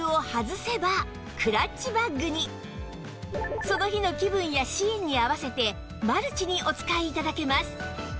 そしてその日の気分やシーンに合わせてマルチにお使い頂けます